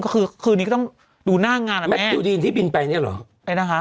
ก็คือนี้ก็ต้องดูหน้างาระแม่แมททีลีนที่บินไปเนี่ยเหรอไงนะครับ